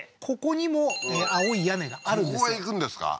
ここにも青い屋根があるんです